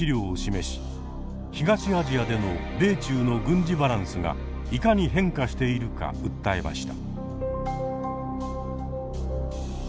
東アジアでの米中の軍事バランスがいかに変化しているか訴えました。